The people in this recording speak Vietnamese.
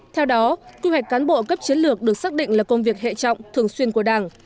theo đó quy hoạch cán bộ cấp chiến lược được xác định là công việc hệ trọng thường xuyên của đảng